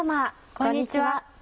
こんにちは。